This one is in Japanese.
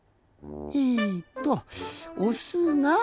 えっとおすが。